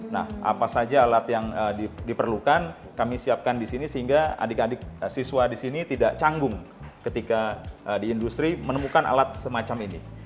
nah apa saja alat yang diperlukan kami siapkan di sini sehingga adik adik siswa di sini tidak canggung ketika di industri menemukan alat semacam ini